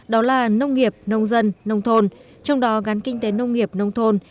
đó là nông nghiệp nông dân nông thôn trong đó gắn kinh tế nông nghiệp nông thôn